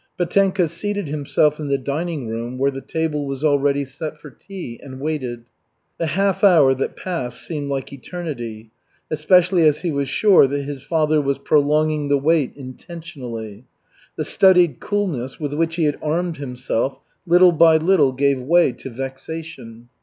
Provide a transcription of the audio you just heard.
Petenka seated himself in the dining room, where the table was already set for tea, and waited. The half hour that passed seemed like eternity, especially as he was sure his father was prolonging the wait intentionally. The studied coolness with which he had armed himself little by little gave way to vexation.